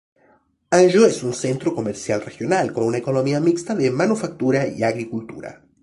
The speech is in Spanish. Anjo es un centro comercial regional, con una economía mixta de manufactura y agricultura.